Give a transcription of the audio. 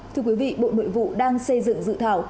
thưa quý vị bộ nội vụ đang xây dựng dự thảo